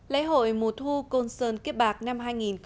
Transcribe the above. lễ hội mùa thu côn sơn kiếp bạc năm hai nghìn một mươi bảy